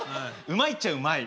うまいっちゃうまい。